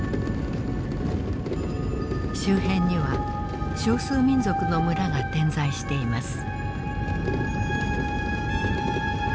周辺には少数民族の村が点在しています。